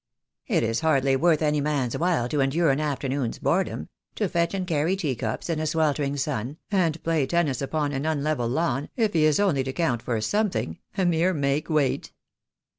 "It is hardly worth any man's while to endure an afternoon's boredom — to fetch and carry teacups in a sweltering sun, and play tennis upon an unlevel lawn, if he is only to count for something, a mere make weight."